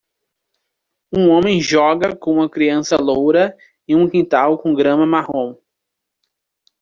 Um homem joga com uma criança loura em um quintal com grama marrom.